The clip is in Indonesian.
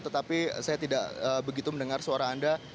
tetapi saya tidak begitu mendengar suara anda